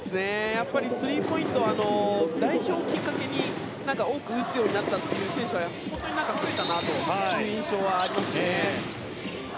スリーポイント代表をきっかけに多く打つようになったという選手は増えたなという印象はありますね。